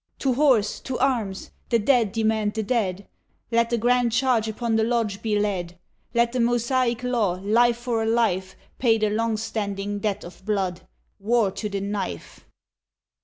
To horse! to arms! the dead demand the dead! Let the grand charge upon the lodge be led! Let the Mosaic law, life for a life Pay the long standing debt of blood. War to the knife!